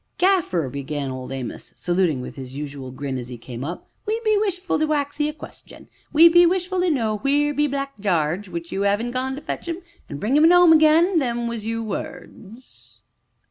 "Gaffer," began Old Amos, saluting us with his usual grin, as he came up, "we be wishful to ax 'ee a question we be wishful to know wheer be Black Jarge, which you 'avin' gone to fetch 'im, an' bring 'im 'ome again them was your words."